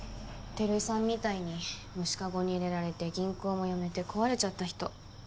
照井さんみたいに無視カゴに入れられて銀行も辞めて壊れちゃった人。